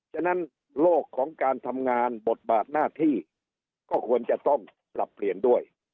ฉะนั้นโลกของการทำงานบทบาทหน้าที่ก็ควรจะต้องปรับเปลี่ยนด้วย